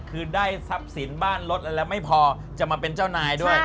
คือได้ทรัพย์สินบ้านรถอะไรแล้วไม่พอจะมาเป็นเจ้านายด้วย